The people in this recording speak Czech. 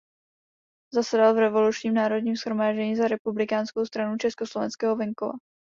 Zasedal v Revolučním národním shromáždění za Republikánskou stranu československého venkova.